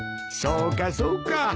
そうかそうか。